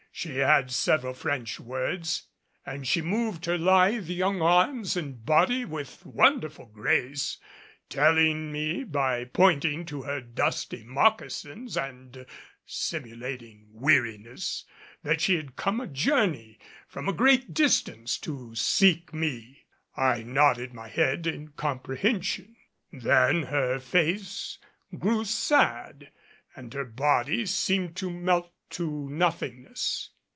She had several French words, and she moved her lithe young arms and body with wonderful grace, telling me by pointing to her dusty moccasins and simulating weariness that she had come a journey from a great distance to seek me. I nodded my head in comprehension. Then her face grew sad and her body seemed to melt to nothingness.